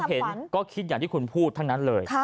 เห็นก็คิดอย่างที่คุณพูดทั้งนั้นเลย